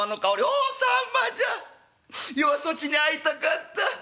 「おおさんまじゃ余はそちに会いたかった。